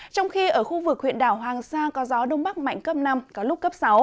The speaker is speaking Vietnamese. trong khi ở khu vực huyện đảo hoàng sa có gió đông bắc mạnh cấp năm có lúc cấp sáu